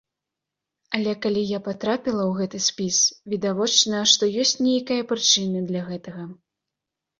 Але калі я патрапіла ў гэты спіс, відавочна, што ёсць нейкія прычыны для гэтага.